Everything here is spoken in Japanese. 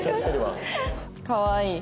かわいい。